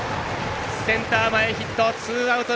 センター前ヒット。